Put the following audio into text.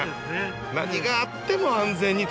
何があっても安全にという。